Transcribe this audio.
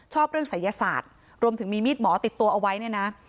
ชอบเรื่องศัยศาสตร์รวมถึงมีมีดหมอติดตัวเอาไว้เนี่ยนะ